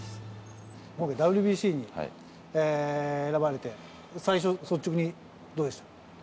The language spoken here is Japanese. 今回ＷＢＣに、選ばれて、最初、率直にどうでした？